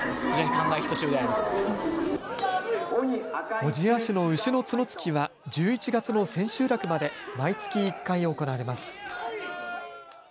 小千谷市の牛の角突きは１１月の千秋楽まで毎月１回、行われます。